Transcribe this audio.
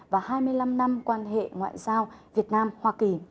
và hai mươi năm năm quan hệ ngoại giao việt nam hoa kỳ